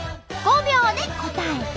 ５秒で答えて！